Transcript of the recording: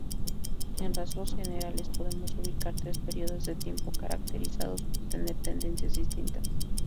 En rasgos generales podemos ubicar tres períodos de tiempo caracterizados por tener tendencias distintas.